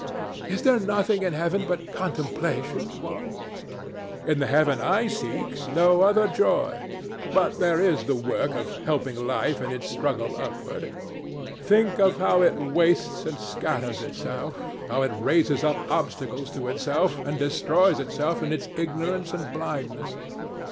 Is there nothing in Heaven but contemplation, Juan? DON JUAN. In the Heaven I seek, no other joy. But there is the work of helping Life in its struggle upward. Think of how it wastes and scatters itself, how it raises up obstacles to itself and destroys itself in its ignorance and blindness.